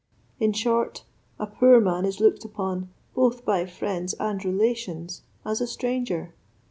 In short, a poor man is looked upon, both by friends and relations, as a stranger.